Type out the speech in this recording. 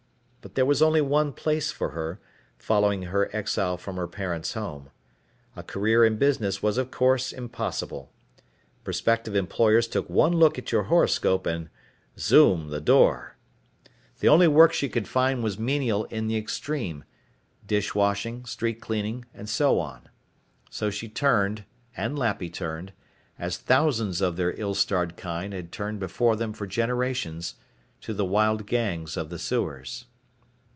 But there was only one place for her, following her exile from her parents' home. A career in business was of course impossible. Prospective employers took one look at your horoscope and zoom, the door. The only work she could find was menial in the extreme dish washing, street cleaning, and so on. So she turned, and Lappy turned, as thousands of their ill starred kind had turned before them for generations, to the wild gangs of the sewers.